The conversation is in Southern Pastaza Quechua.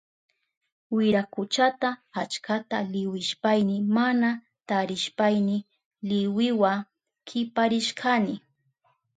Wirakuchata achkata liwishpayni mana tarishpayni liwiwa kiparishkani.